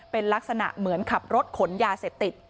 เป็นลักษณะเหมือนขับรถขนยาเสพติด